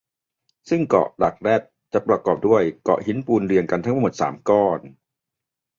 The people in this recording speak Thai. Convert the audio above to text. ซึ่งเกาะหลักแรดจะประกอบด้วยเกาะหินปูเรียงกันทั้งหมด สาม ก้อน